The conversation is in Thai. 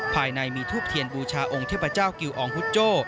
ภายในมีทูบเทียนบูชาองค์เทพเจ้ากิวอองฮุดโจ้